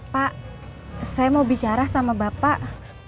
pak saya mau bicara sama bapak